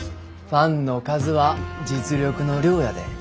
ファンの数は実力の量やで。